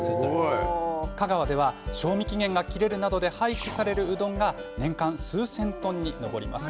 香川では賞味期限が切れるなどで廃棄されるうどんが年間、数千トンに上ります。